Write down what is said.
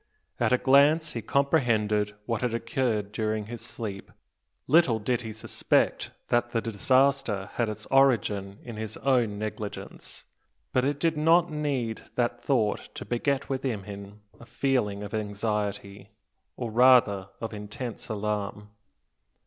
At a glance he comprehended what had occurred during his sleep, all except the cause. Little did he suspect that the disaster had its origin in his own negligence. But it did not need that thought to beget within him a feeling of anxiety, or, rather, of intense alarm.